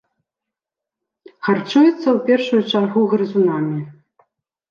Харчуецца ў першую чаргу грызунамі.